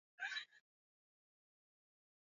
o yake makuu yanabaki kuwa mpakani mwa nchi ya